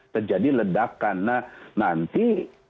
terjadi ledak karena nanti